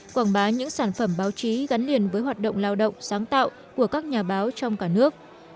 quảng bá những sản phẩm báo chí gắn liền với hoạt động lao động sáng tạo của các nhà báo trong cả nước